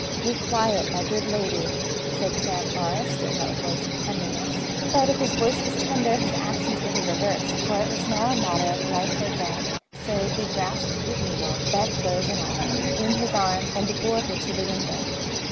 "Be quiet, my good lady," said Sam Forest in a voice of tenderness; but if his voice was tender his actions were the reverse, for it was now a matter of life or death; so he grasped the Eagle, bedclothes and all, in his arms, and bore her to the window.